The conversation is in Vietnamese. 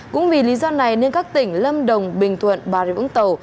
cũng vì lý do này nên các tỉnh lâm đồng bình thuận bà rịa vũng tàu